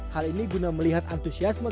hal ini guna melihat antusiasme